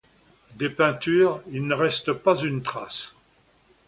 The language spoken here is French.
Des peintures, il ne reste pas une trace.